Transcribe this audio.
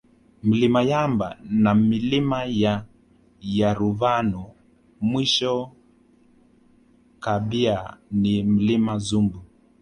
Mlima Yamba na Milima ya Yaruvano mwisho kabia ni Mlima Zumbu